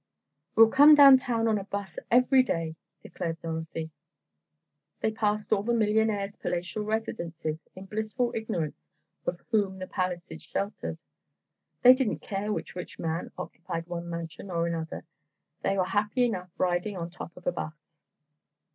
"We'll come down town on a 'bus every day," declared Dorothy. They passed all the millionaires' palatial residences in blissful ignorance of whom the palaces sheltered. They didn't care which rich man occupied one mansion or another, they were happy enough riding on top of a 'bus.